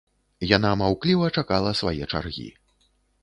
Яна маўкліва чакала свае чаргі.